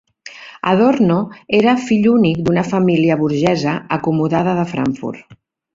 Adorno era fill únic d'una família burgesa acomodada de Frankfurt.